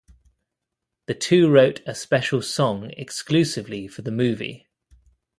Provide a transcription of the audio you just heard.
The two wrote a special song exclusively for the movie.